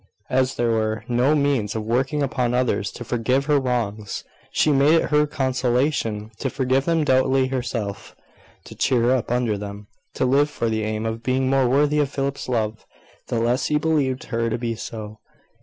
As there were no means of working upon others to forgive her wrongs, she made it her consolation to forgive them doubly herself; to cheer up under them; to live for the aim of being more worthy of Philip's love, the less he believed her to be so.